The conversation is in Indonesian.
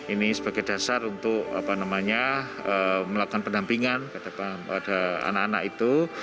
ini sebagai dasar untuk melakukan pendampingan pada anak anak itu